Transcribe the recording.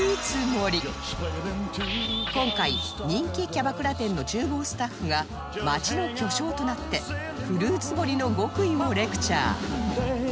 今回人気キャバクラ店の厨房スタッフが街の巨匠となってフルーツ盛りの極意をレクチャー